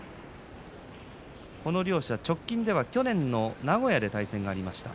両者は直近では去年の名古屋で対戦がありました。